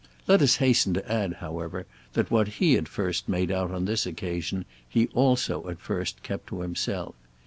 Let us hasten to add, however, that what he at first made out on this occasion he also at first kept to himself.